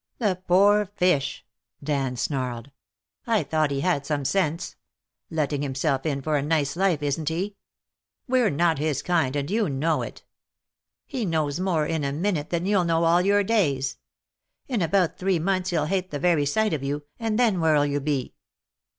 "The poor fish," Dan snarled. "I thought he had some sense. Letting himself in for a nice life, isn't he? We're not his kind, and you know it. He knows more in a minute than you'll know all your days. In about three months he'll hate the very sight of you, and then where'll you be?"